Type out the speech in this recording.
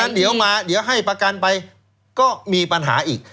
เดี๋ยวให้ประกันไปก็มีปัญหาอีก